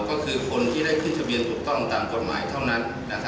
ก็คือคนที่ได้ขึ้นทะเบียนถูกต้องตามกฎหมายเท่านั้น